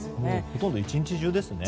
ほとんど１日中ですね。